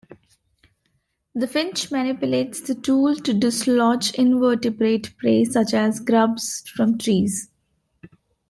The finch manipulates the tool to dislodge invertebrate prey such as grubs from trees.